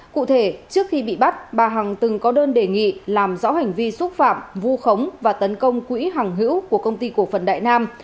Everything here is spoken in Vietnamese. cụ thể trước khi bị bắt bà hằng từng có đơn đề nghị làm rõ hành vi xúc phạm vu khống và tấn công quỹ hàng hữu của công ty cổ phần đại nam